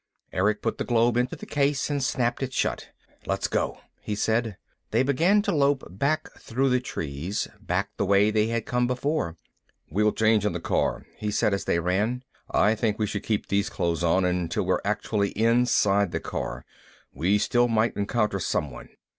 Erick put the globe into the case and snapped it shut. "Let's go," he said. They began to lope back through the trees, back the way they had come before. "We'll change in the car," he said as they ran. "I think we should keep these clothes on until we're actually inside the car. We still might encounter someone."